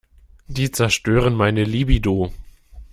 Die zerstören meine Libido.